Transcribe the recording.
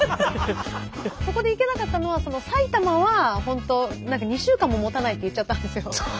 そこでいけなかったのは埼玉は本当何か２週間ももたないって言っちゃったんですよ。